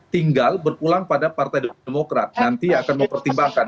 tinggal berulang pada partai demokrat nanti akan mempertimbangkan